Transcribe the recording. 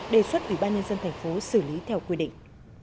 đề xuất ubnd tp xử lý theo quy định